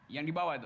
yang di bawah itu